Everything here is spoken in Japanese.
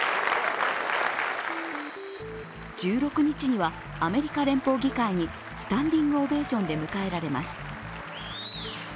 １６日には、アメリカ連邦議会にスタンディングオベーションで迎えられます。